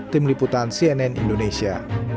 tim liputan cnn indonesia